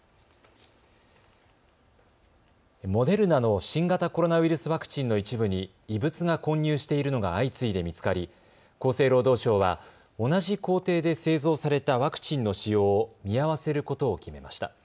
モデルナの新型コロナウイルスワクチンの一部に異物が混入しているのが相次いで見つかり厚生労働省は同じ工程で製造されたワクチンの使用を見合わせることを決めました。